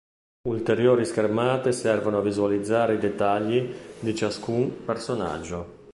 Ulteriori schermate servono a visualizzare i dettagli di ciascun personaggio.